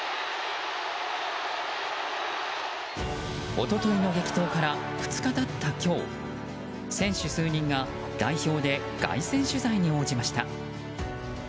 一昨日の激闘から２日経った今日選手数人が代表で凱旋取材に応じました。